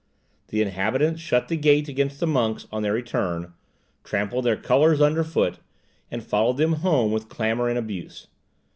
The inhabitants shut the gates against the monks on their return, trampled their colours under foot, and followed them home with clamour and abuse.